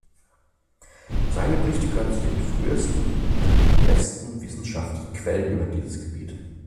Seine Berichte gehören zu den frühesten und besten wissenschaftlichen Quellen über dieses Gebiet.